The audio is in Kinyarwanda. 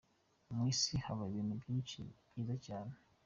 Mu isi haba ibintu byinshi byiza cyane.